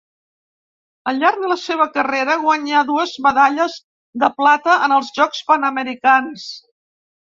Al llarg de la seva carrera guanyà dues medalles de plata en els Jocs Panamericans.